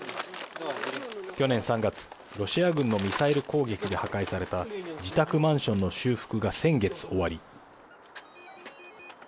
去年３月、ロシア軍のミサイル攻撃で破壊された自宅マンションの修復が先月終わり